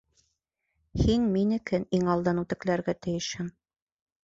Һин минекен иң алдан үтекләргә тейешһең!